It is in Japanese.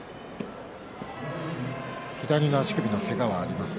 左足首のけががあります。